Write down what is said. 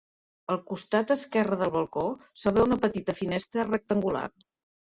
Al costat esquerre del balcó s'obre una petita finestra rectangular.